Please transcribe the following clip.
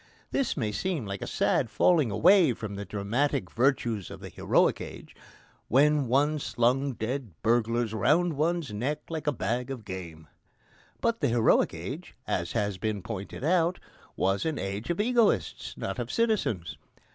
This may seem a sad falling away from the dramatic virtues of the heroic age, when one slung dead burglars round one's neck like a bag of game. But the heroic age, as has been pointed out, was an age of egoists, not of citizens.